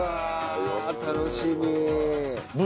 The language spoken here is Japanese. うわあ楽しみ。